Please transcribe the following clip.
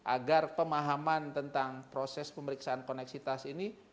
agar pemahaman tentang proses pemeriksaan koneksitas ini